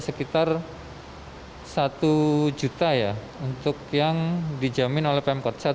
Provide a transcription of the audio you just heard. sekitar satu juta ya untuk yang dijamin oleh pemkot